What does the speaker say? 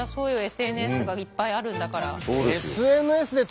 ＳＮＳがいっぱいあるんだから。